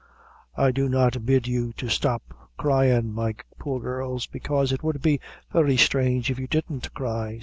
I do not bid you to stop cryin', my poor girls, because it would be very strange if you didn't cry.